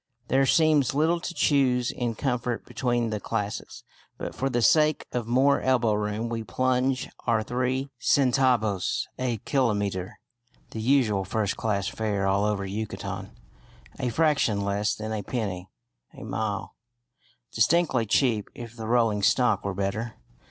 There seems little to choose in comfort between the classes, but for the sake of more elbow room we "plunge" our three centavos a kilometre (the usual first class fare all over Yucatan), a fraction less than a penny a mile, distinctly cheap if the rolling stock were better.